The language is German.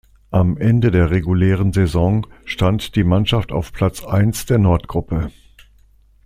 Am Ende der regulären Saison stand die Mannschaft auf Platz eins der Nordgruppe.